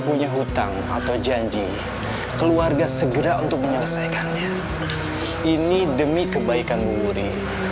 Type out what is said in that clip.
punya hutang atau janji keluarga segera untuk menyelesaikannya ini demi kebaikan bung wuri